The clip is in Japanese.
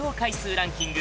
ランキング